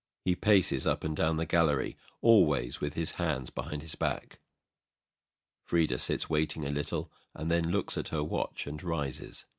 [He paces up and down the gallery, always with his hands behind his back. FRIDA. [Sits waiting a little, then looks at her watch and rises.